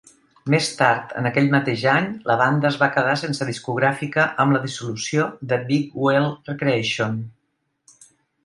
Més tard en aquell mateix any, la banda es va quedar sense discogràfica amb la dissolució de Big Wheel Recreation.